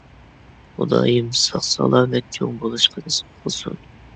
خۇدايىم ساق-سالامەت چوڭ بولۇشقا نېسىپ قىلسۇن.